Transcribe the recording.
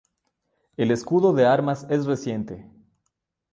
El escudo de armas es reciente.